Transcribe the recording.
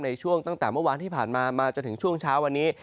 ในช่วงตั้งแต่เมื่อวานที่ผ่านมามาจนถึงช่วงเช้าวันนี้